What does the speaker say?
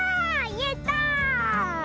やった！